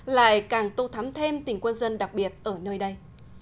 lại càng tô thắm thêm tỉnh quân dân đặc biệt ở nơi đây